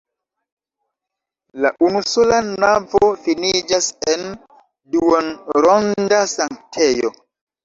La unusola navo finiĝas en duonronda sanktejo.